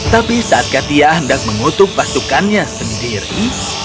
tapi saat katia hendak mengutuk pasukannya sendiri